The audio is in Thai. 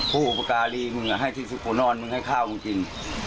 ผู้บริการีมึงให้ทิศิชย์เกานอนมึงให้ข้าวกิน